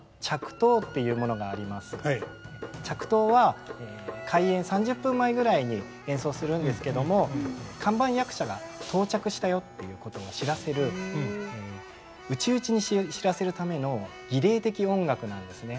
着到は開演３０分前ぐらいに演奏するんですけども「看板役者が到着したよ」っていうことを知らせる内々に知らせるための儀礼的音楽なんですね。